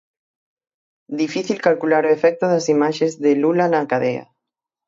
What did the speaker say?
Difícil calcular o efecto das imaxes de Lula na cadea.